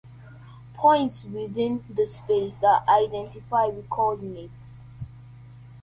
Points within the space are identified with coordinates.